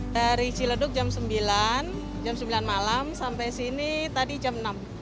dari ciledug jam sembilan jam sembilan malam sampai sini tadi jam enam